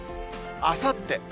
あさって。